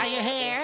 はい！